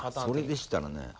それでしたらね